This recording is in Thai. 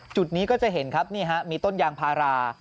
จุดนี้ก็จะเห็นครับนี่ฮะมีต้นยางพารา